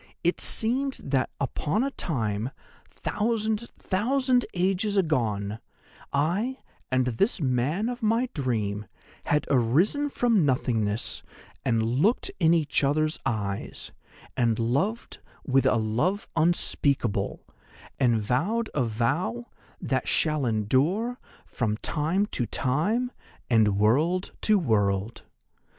It seemed that upon a time, thousand, thousand ages agone, I and this man of my dream had arisen from nothingness and looked in each other's eyes, and loved with a love unspeakable, and vowed a vow that shall endure from time to time and world to world.